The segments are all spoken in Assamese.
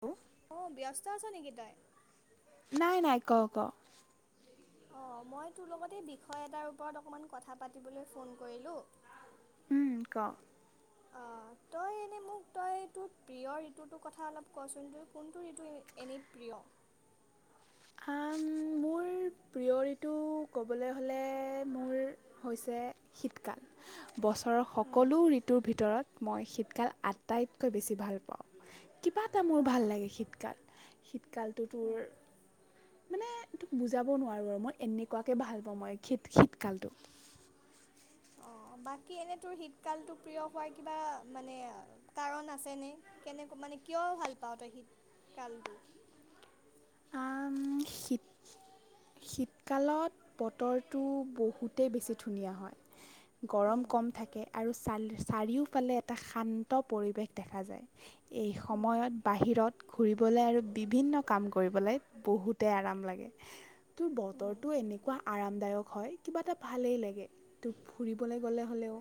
হ [unintelligible] অ ব্যস্ত আছা নেকি তই নাই নাই ক ক অ মই তোৰ লগতে এই বিষয় এটাৰ ওপৰত অকণমান কথা পাতিবলৈ ফোন কৰিলোঁ উম ক অ তই এনেই মোক তই তোৰ প্ৰিয় ঋতুটোৰ কথা অলপ কোৱাচোন তই কোনটো ঋতু এনেই প্ৰিয় উম মোৰ প্ৰিয় ঋতু ক'বলৈ হ'লে মোৰ হৈছে শীতকাল বছৰৰ উম, সকলো ঋতুৰ ভিতৰত মই শীতকাল আটাইতকৈ বেছি ভাল পাওঁ কিবা এটা মোৰ ভাল অঁ লাগে শীতকাল কালটো উম, টোৰ মানে তোক বুজি যাব নোৱাৰোঁ আৰু মই এনেকুৱাকে ভাল পাওঁ মই শীত শীতকালটো অঁ বাকী এনে তোৰ শীতকালটো প্ৰিয় হোৱাৰ কিবা মানে কাৰণ আছেনে কেনেকে মানে কিয় ভাল পাও তই শীতকালটো উম শীত শীতকালত বতৰটো বহুতেই বেছি ধুনীয়া হয় গৰম উম, কম থাকে আৰু চ চাৰিওফালে এটা শান্ত পৰিৱেশ দেখা যায় এই উম, সময়ত বাহিৰত ঘুৰিবলৈ আৰু বিভিন্ন কাম কৰিবলৈ বহুতেই আৰাম লাগে তোৰ উম, বতৰটো এনেকুৱা আৰামদায়ক হয় কিবা এটা ভালেই লাগে তো ফুৰিবলৈ গ'লে হ'লেও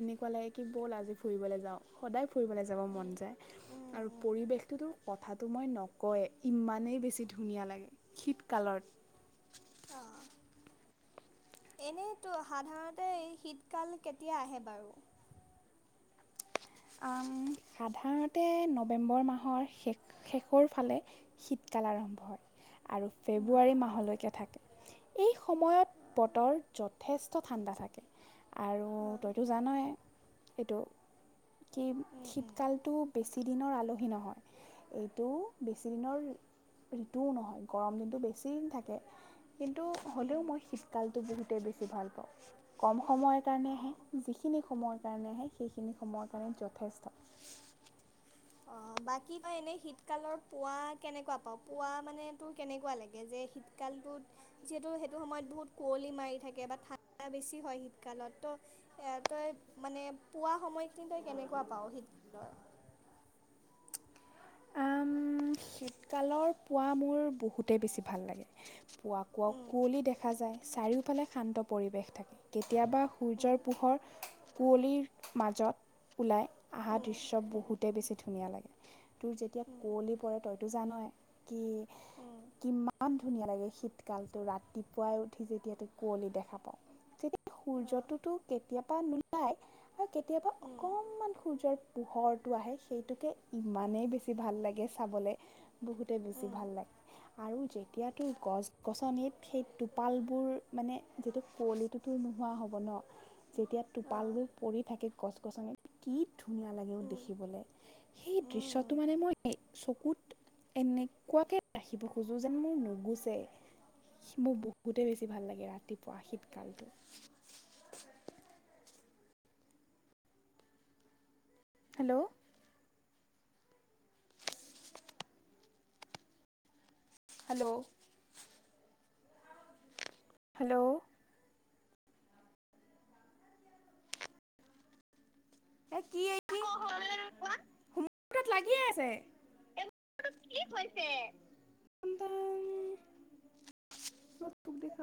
এনেকুৱা লাগে কি ব'ল আজি ফুৰিবলৈ যাওঁ। সদায় ফুৰিবলৈ যাব মন উম, যায় উম, আৰু উম, উম। পৰিৱেশটোতো কথাটো মই নকয় ইমানেই বেছি ধুনীয়া লাগে, শীতকালত অ, এনেইতো সাধাৰণতে এই শীতকাল কেতিয়া আহে বাৰু? কম সাধাৰণতে নৱেম্বৰ মাহৰ শে ষ শেষৰ ফালে শীতকাল আৰম্ভ হয়। আৰু ফেব্ৰুৱাৰী মাহলৈকে থাকে। এই সময়ত বতৰ যথেষ্ট ঠাণ্ডা থাকে আৰু তইতো জানয়ে এইটো কি শীতকালটো বেছি দিনৰ আলহী নহয়। এইটো বেছি দিনৰ ঋতুও নহয়। গৰম দিনটো বেছি দিন থাকে কিন্তু হ'লেও মই শীতকালটো বহুতেই বেছি ভাল পাওঁ। কম সময়ৰ কাৰণে আহে যিখিনি সময়ৰ কাৰণে আহে সেইখিনি ময়ৰ কাৰণে যথেষ্ট অ বাকী বাই এনেই শীতকালৰ পোৱা কেনেকুৱা পাৱ। পোৱাা মানে তোৰ কেনেকুৱা লাগে যে শীতকালটোত যিহেতু সেইটো সময়ত বহুত কুঁৱলী মাৰি থাকে বা ঠাণ্ডা বেছি হয় শীতকালত। ত' তই মানে পোৱা সময়খিনি তই কেনেকুৱা পাৱ শীতকালৰ আম, শীতকালৰ পুৱা মোৰ বহুতেই বেছি ভাল লাগে। পুৱা কুৱা উম, কুঁৱলী দেখা যায় চাৰিওফালে শান্ত পৰিৱেশ থাকে। কেতিয়াবা সূৰ্যৰ উম, পোহৰ কুঁৱলীৰ মাজত ওলাই আহা উম, দৃশ্য উম, বহুতেই উম, বেছি ধুনীয়া লাগে। তোৰ যেতিয়া উম, কুঁৱলী পৰে জানৱে কি উম, কিমান ইমান ধুনীয়া লাগে শীতকালতটো। ৰাতিপুৱাই উঠি যেতিয়া কুঁৱলী দেখা পাওঁ অ, সূৰ্যটোতো কেতিয়াবা নো নাই বা কেতিয়াবা উম, অকনমান সূৰ্যৰ পোহৰটো আহে। সেইটোকে ইমানেই বেছি ভাল লাগে চাবলৈ বহুতে বেছি উম, ভাল লাগে আৰু যেতিয়া তোৰ গছ গছনিত সেই টোপালবোৰ মানে যিটো কুৱলিটো তোৰ নোহোৱা হ'ব ন যেতিয়া অ, টোপালবোৰ পৰি থাকে গছ গছনিত কি ধুনীয়া! লাগেঐ উম, দেখিবলৈ। সেই উম, উম, দৃশ্যটো মানে উম। মই চকুত এনেকুৱাকে ৰাখিব খোজো যেন মোৰ নুগুচে। মোৰ বহুতে বেছি ভাল লাগে ৰাতিপুৱা শীতকালটো। হেল্ল' হেল্ল' হেল্ল' এ কি লাগিয়ে আছে কি দেখ